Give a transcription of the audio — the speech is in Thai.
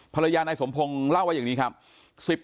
ภรรยานายสมพงศ์เล่าว่าอย่างนี้ครับ